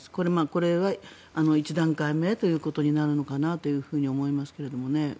これは１段階目ということになるのかと思いますけども。